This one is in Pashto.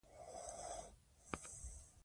ماري کوري د اتومي جوړښت یوه برخه مطالعه کړه.